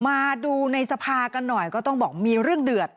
มาดูในสภากันหน่อยก็ต้องบอกมีเรื่องเดือด